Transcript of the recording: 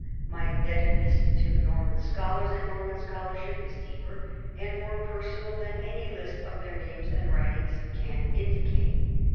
My indebtedness to Norman scholars and Norman scholarship is deeper and more personal than any list of their names and writings can indicate.